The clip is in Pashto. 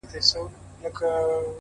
حدِاقل چي ته مي باید پُخلا کړې وای ـ